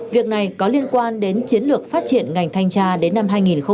việc này có liên quan đến chiến lược phát triển ngành thanh tra đến năm hai nghìn ba mươi